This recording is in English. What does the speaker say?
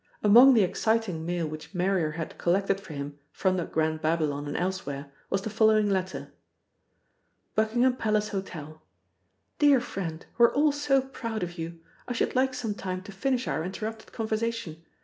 Among the exciting mail which Marrier had collected for him from the Grand Babylon and elsewhere was the following letter: Buckingham Palace Hotel. DEAR FRIEND: We are all so proud of you. I should like some time to finish our interrupted conversation.